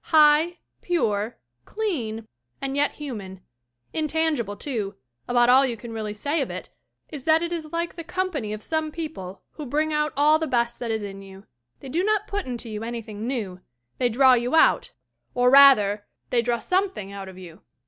High, pure, clean and yet human. Intangible, too; about all you really can say of it is that it is like the company of some people who bring out all the best that is in you. They do not put into you anything new. They draw you out, or rather, they draw something out of you.